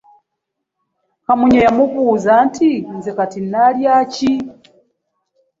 Kamunye yamubuuza nti “nze kati nnaalya ki?"